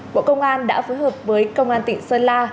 bộ công an đã phối hợp với công an tỉnh sơn la